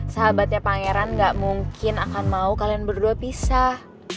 sahabatnya pangeran gak mungkin akan mau kalian berdua pisah